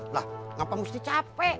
lah ngapa mesti capek